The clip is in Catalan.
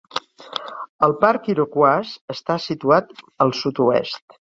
El parc Iroquois està situat al sud-oest.